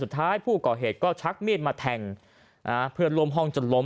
สุดท้ายผู้ก่อเหตุก็ชักมิดมาแทงเผื่อลมห้องจนลม